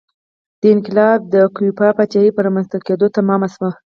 دا انقلاب د کیوبا پاچاهۍ په رامنځته کېدو تمام شو